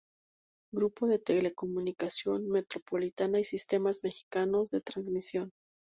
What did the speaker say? Grupo de Telecomunicación Metropolitana y Sistemas Mexicanos de Transmisión.